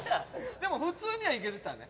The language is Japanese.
でも普通にはいけてたね。